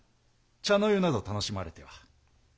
茶の湯など楽しまれては。